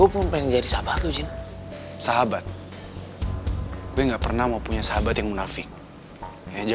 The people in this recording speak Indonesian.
oh bekerja lagi ya branding nya